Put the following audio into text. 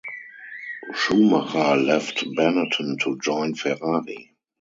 Schumacher left Benetton to join Ferrari.